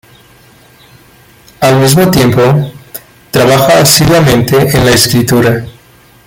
Al mismo tiempo, trabaja asiduamente en la escritura.